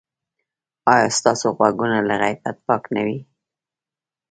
ایا ستاسو غوږونه له غیبت پاک نه دي؟